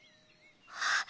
あっ